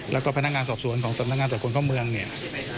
แล้วก็พนักงานสอบสวนของสำนักงานตรวจคนเข้าเมืองเนี่ย